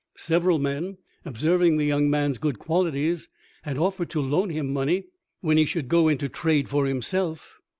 Several men, observing the young man's good qualities, had offered to loan him money when he should go into trade for himself.